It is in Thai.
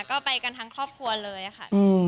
ก็ไปกันทั้งครอบครัวเลยค่ะ